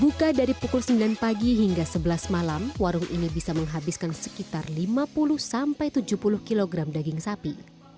buka dari pukul sembilan pagi hingga sebelas malam warung ini bisa menghabiskan sekitar lima puluh sampai tujuh puluh kg daging sapi